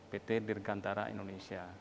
pt dirgantara indonesia